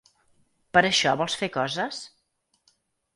Per això vols fer coses?